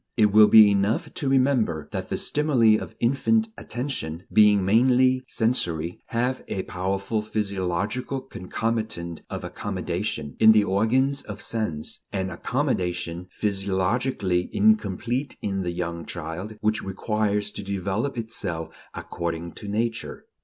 It will be enough to remember that the stimuli of infant attention, being mainly sensory, have a powerful physiological concomitant of "accommodation" in the organs of sense; an accommodation, physiologically incomplete in the young child, which requires to develop itself according to Nature.